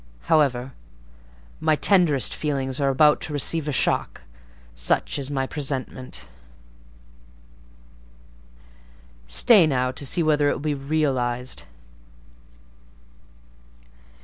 However, my tenderest feelings are about to receive a shock: such is my presentiment; stay now, to see whether it will be realised."